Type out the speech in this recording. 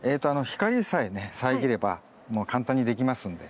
光さえね遮ればもう簡単にできますんで。